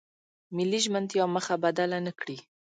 ملي ژمنتیا مخه بدله نکړي.